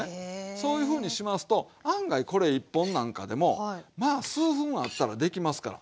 そういうふうにしますと案外これ１本なんかでもまあ数分あったらできますから。